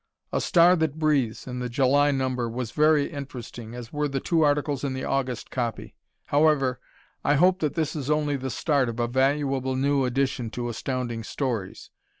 "A Star That Breathes," in the July number, was very interesting, as were the two articles in the August copy. However, I hope that this is only the start of a valuable new addition to Astounding Stories.